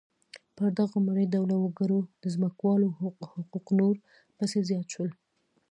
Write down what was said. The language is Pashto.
پر دغو مري ډوله وګړو د ځمکوالو حقوق نور پسې زیات شول.